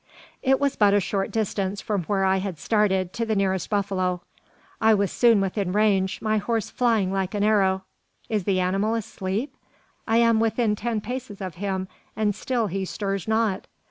It was but a short distance from where I had started to the nearest buffalo. I was soon within range, my horse flying like an arrow. "Is the animal asleep? I am within ten paces of him, and still he stirs not!